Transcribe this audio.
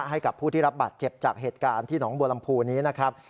ให้กับผู้ที่รับบาดเจ็บจากเหตุการณ์ที่หนองบัวลำพูนี้นะครับ